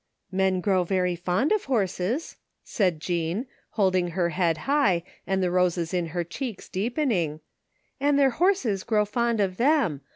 " Men grow very fond of horses," said Jean, hold ing her head high and the roses in her chedcs deepen ing, " and their horses grow fond of them.